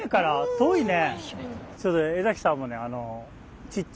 遠いね。